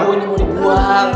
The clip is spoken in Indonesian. iya bu ini mau dikuang